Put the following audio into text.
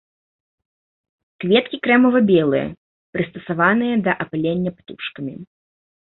Кветкі крэмава-белыя, прыстасаваныя да апылення птушкамі.